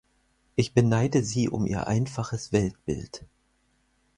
Ich beneide Sie um Ihr einfaches Weltbild.